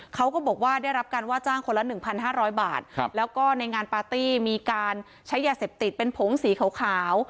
เขาก็บอกว่าได้รับการว่าจ้างคนละ๑๕๐๐บาทแล้วก็ในงานปาร์ตี้มีการใช้ยาเสพติดเป็นผงสีขาว